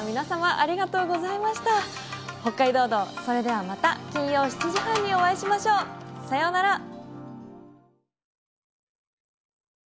それではまた金曜７時半にお会いしましょう。さようなら。